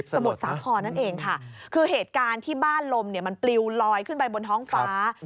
มุทรสาครนั่นเองค่ะคือเหตุการณ์ที่บ้านลมเนี่ยมันปลิวลอยขึ้นไปบนท้องฟ้า